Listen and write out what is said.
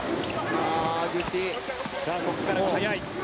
ここから速い。